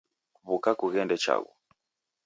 W'uka kughende chaghu